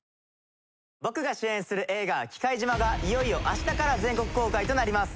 僕が主演する映画『忌怪島／きかいじま』がいよいよあしたから全国公開となります。